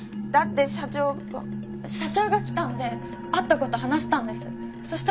だって社長が社長が来たんであったこと話したんですそ